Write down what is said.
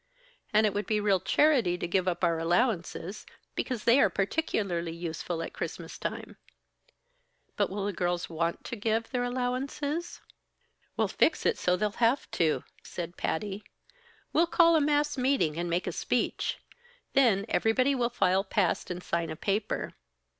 And it would be real charity to give up our allowances, because they are particularly useful at Christmas time." "But will the girls want to give their allowances?" "We'll fix it so they'll have to," said Patty. "We'll call a mass meeting and make a speech. Then everybody will file past and sign a paper.